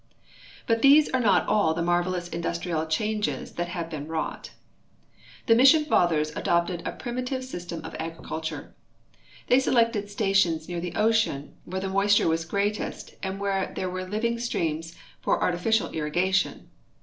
But these are not all the marvelous industrial changes that have been wrought. The Mission Fathers adopted a primitive system of agriculture. They selected stations near the ocean, ■ where the moisture was greatest and where there were living streams for artificial irrigation.